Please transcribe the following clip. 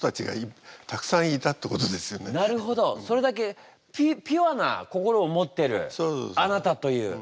それだけピュアな心を持ってるあなたという。